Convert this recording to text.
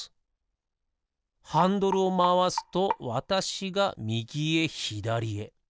ハンドルをまわすとわたしがみぎへひだりへ。